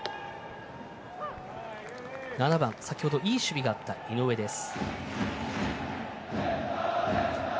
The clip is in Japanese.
７番先程、いい守備があった井上です。